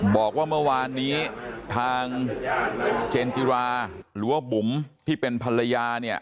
บอกว่าเมื่อวานนี้ทางเจนจิราหรือว่าบุ๋มที่เป็นภรรยาเนี่ย